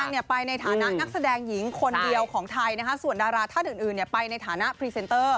ไปในฐานะนักแสดงหญิงคนเดียวของไทยนะคะส่วนดาราท่านอื่นไปในฐานะพรีเซนเตอร์